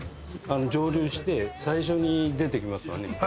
蒸留して最初に出てきますわね。